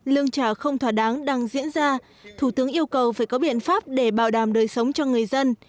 lương trả không thỏa đáng đang diễn ra thủ tướng yêu cầu phải có biện pháp để bảo đảm đời sống cho người dân